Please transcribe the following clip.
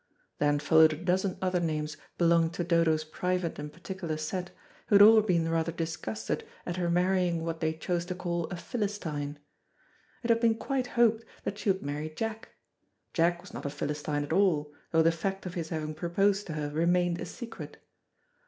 Then followed a dozen other names belonging to Dodo's private and particular set, who had all been rather disgusted at her marrying what they chose to call a Philistine. It had been quite hoped that she would marry Jack. Jack was not a Philistine at all, though the fact of his having proposed to her remained a secret.